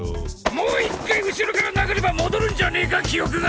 もう１回後ろから殴れば戻るんじゃねか記憶が！